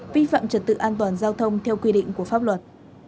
vi phạm trật tự an toàn giao thông theo quy định của pháp luật